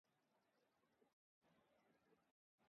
کون اب دے گا گھنی چھاؤں مُجھے، کوئی نہیں